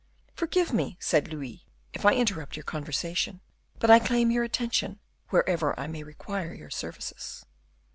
"Forgive me," said Louis, "if I interrupt your conversation; but I claim your attention wherever I may require your services."